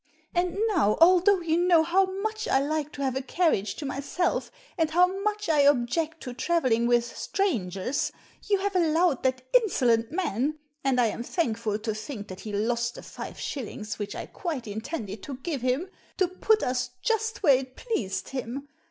" And now, although you know how much I like to have a carriage to myself, and how much I object to travelling with strangers, you have allowed that insolent man — and I am thankful to think that he lost the five shillings which I quite intended to give him — to put us just where it pleased him.